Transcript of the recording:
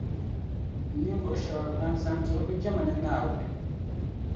Ni ninvuɣu shεba ban zani n-tuhi bɛ jama ni Naawuni.